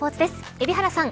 海老原さん